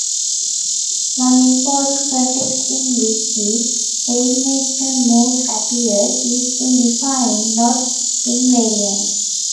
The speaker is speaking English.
One important context in which the Reidemeister moves appear is in defining knot invariants.